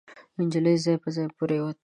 نجلۍ ځای پر ځای پريوته.